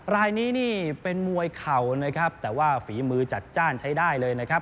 รายนี้เป็นมวยเข่าแต่ว่าฝีมือจัดจ้านใช้ได้เลย